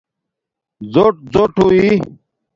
زݸٹ زݸٹ ہوئ